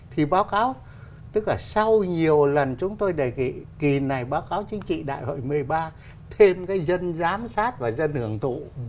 thì báo cáo tức là sau nhiều lần chúng tôi đề nghị kỳ này báo cáo chính trị đại hội một mươi ba thêm cái dân giám sát và dân hưởng thụ